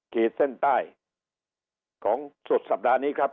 ขีดเส้นใต้ของสุดสัปดาห์นี้ครับ